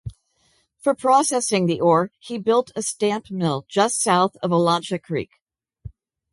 For processing the ore, he built a stamp mill just south of Olancha Creek.